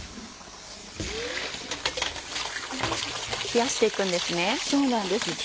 冷やして行くんですね。